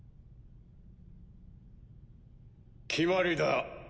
決まりだ。